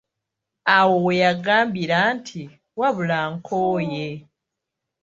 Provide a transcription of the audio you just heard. Awo we yagambira nti: "wabula nkooye"